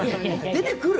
出てくる？